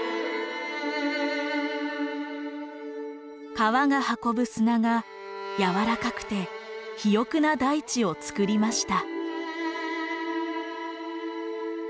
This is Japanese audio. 河が運ぶ砂がやわらかくて肥沃な大地をつくりました。